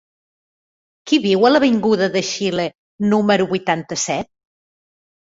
Qui viu a l'avinguda de Xile número vuitanta-set?